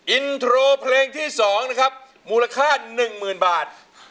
อินโทรเพลงที่สองนะครับมูลค่าหนึ่งหมื่นบาท